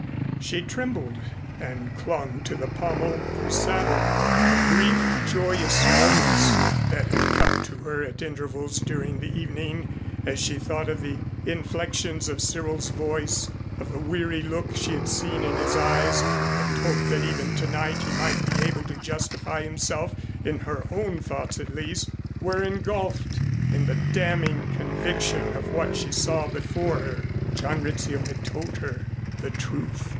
She trembled and clung to the pommel of her saddle. The brief joyous moments that had come to her at intervals during the evening as she thought of the inflections of Cyril's voice, of the weary look she had seen in his eyes, and hoped that even tonight he might be able to justify himself in her own thoughts at least were engulfed in the damning conviction of what she saw before her. John Rizzio had told her the truth.